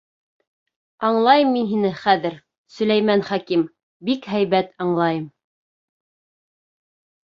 Аңлайым мин һине хәҙер, Сөләймән хаким, бик һәйбәт аңлайым...